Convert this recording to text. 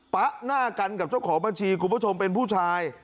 ป๊ะหน้ากันกับเจ้าของบัญชีคุณผู้ชมเป็นผู้ชาย